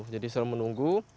jadi disuruh menunggu